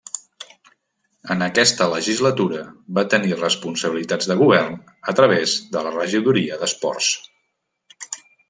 En aquesta legislatura va tenir responsabilitats de govern a través de la regidoria d'Esports.